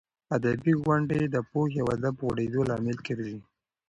ادبي غونډې د پوهې او ادب د غوړېدو لامل ګرځي.